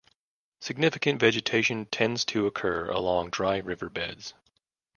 Significant vegetation tends to occur along dry river beds.